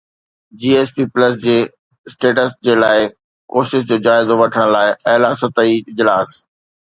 جي S P plus جي status جي لاءِ ڪوششن جو جائزو وٺڻ لاءِ اعليٰ سطحي اجلاس